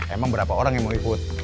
emang berapa orang yang mau ikut